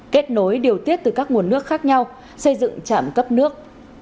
kết nối điều tiết từ các nguồn nước khác nhau xây dựng trạm cấp nước